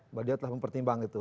mbak dia telah mempertimbang itu